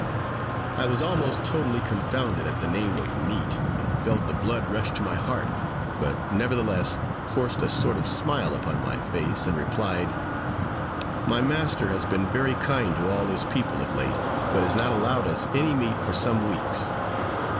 I was almost totally confounded at the name of meat, and felt the blood rush to my heart, but nevertheless forced a sort of smile upon my face, and replied, "My master has been very kind to all his people of late, but has not allowed us any meat for some weeks.